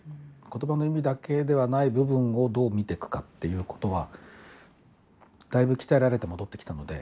ことばの意味だけではない部分をどう見ていくかということはだいぶ鍛えられて戻ってきたので。